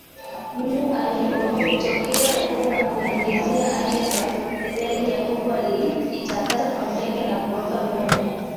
Mungu alipomtokea Yakobo na kumwagiza Aende betheli Yakobo aliitakasa familia yake na kuondoa Miungu